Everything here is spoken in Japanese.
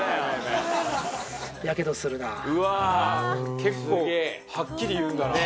結構はっきり言うんだな。